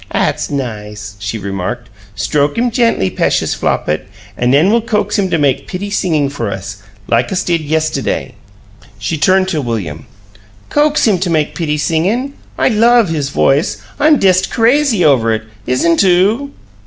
"'At's nice!" she remarked. "Stroke him gently, p'eshus Flopit, an' nen we'll coax him to make pitty singin' for us, like us did yestiday." She turned to William. "COAX him to make pitty singin'? I LOVE his voice I'm dest CRAZY over it. Isn't oo?"